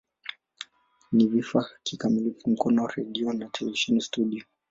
Ni vifaa kikamilifu Mkono redio na televisheni studio.